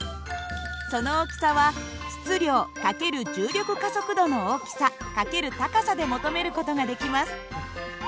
その大きさは質量掛ける重力加速度の大きさ掛ける高さで求める事ができます。